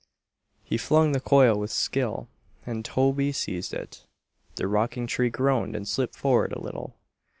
He flung the coil with skill and Toby seized it. The rocking tree groaned and slipped forward a little.